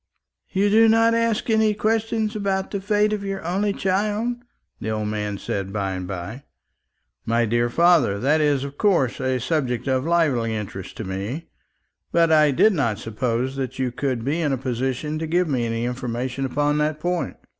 "You do not ask any questions about the fate of your only child," the old man said, by and by. "My dear father, that is of course a subject of lively interest to me; but I did not suppose that you could be in a position to give me any information upon that point."